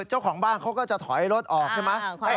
เจ้าของบ้านเขาก็จะถอยรถออกใช่ไหม